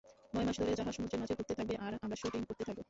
নয়মাস ধরে জাহাজ সমুদ্রের মাঝে ঘুরতে থাকবে আর আমরা শ্যুটিং করতে থাকব।